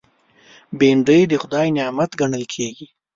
بېنډۍ د خدای نعمت ګڼل کېږي